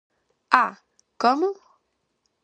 ¡Ah!, ¿como?